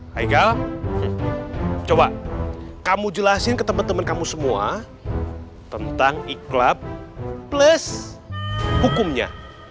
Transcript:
haikal coba kamu jelasin ke teman teman kamu semua tentang ikhlak plus hukumnya